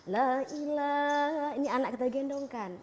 la ilaha ini anak kita gendongkan